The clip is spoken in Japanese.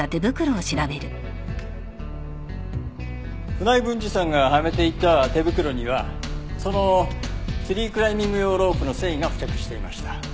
船井文治さんがはめていた手袋にはそのツリークライミング用ロープの繊維が付着していました。